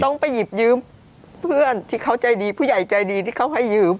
ต้องไปหยิบยืมเพื่อนที่เขาใจดีผู้ใหญ่ใจดีที่เขาให้ยืม